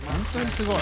すごい。